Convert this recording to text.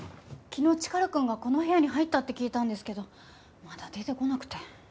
昨日チカラくんがこの部屋に入ったって聞いたんですけどまだ出てこなくて。